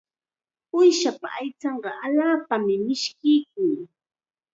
Uushapa aychanqa allaapam mishkiykun.